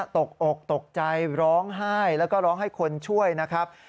ตกอกตกใจร้องไห้แล้วก็ร้องให้คนช่วยนะครับ